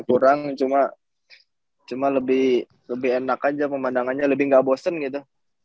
walaupun lapangannya kurang cuma lebih enak aja pemandangannya lebih gak bosen gitu